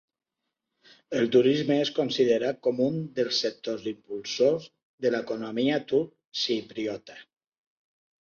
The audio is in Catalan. El turisme és considerat com un dels sectors impulsors de l'economia turc-xipriota.